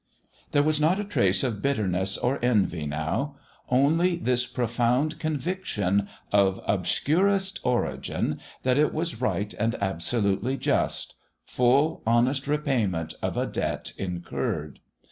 There was not a trace of bitterness or envy now; only this profound conviction, of obscurest origin, that it was right and absolutely just full, honest repayment of a debt incurred.